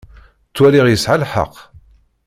Ttwaliɣ yesɛa lḥeqq.